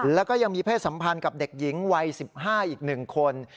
แล้วก็ยังมีเพศสัมพันธ์กับเด็กหญิงวัย๑๕อีก๑คน